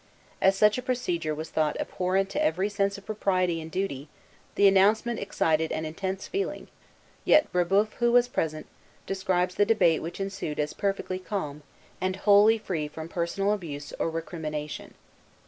As such a procedure was thought abhorrent to every sense of propriety and duty, the announcement excited an intense feeling; yet Brébeuf, who was present, describes the debate which ensued as perfectly calm, and wholly free from personal abuse or recrimination.